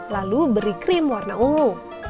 lalu beri krim warna ungu